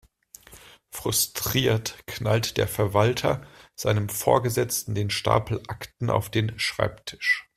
Frustriert knallt der Verwalter seinem Vorgesetzten den Stapel Akten auf den Schreibtisch.